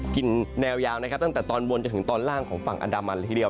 กินแนวยาวตั้งแต่ตอนวนจนถึงตอนล่างของฝั่งอันดามันทีเดียว